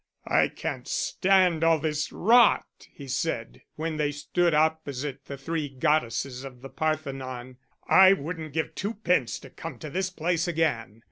"I can't stand all this rot," he said, when they stood opposite the three goddesses of the Parthenon; "I wouldn't give twopence to come to this place again."